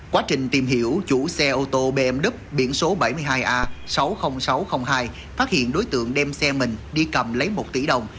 quá trình tìm hiểu chủ xe ô tô bmw biển số bảy mươi hai a sáu mươi nghìn sáu trăm linh hai phát hiện đối tượng đem xe mình đi cầm lấy một tỷ đồng